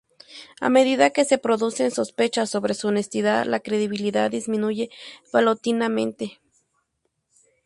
A medida que se producen sospechas sobre su honestidad, la credibilidad disminuye paulatinamente.